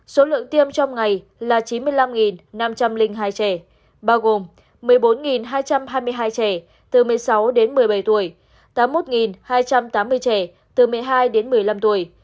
số lượng tiêm trong ngày là chín mươi năm năm trăm linh hai trẻ bao gồm một mươi bốn hai trăm hai mươi hai trẻ từ một mươi sáu đến một mươi bảy tuổi tám mươi một hai trăm tám mươi trẻ từ một mươi hai đến một mươi năm tuổi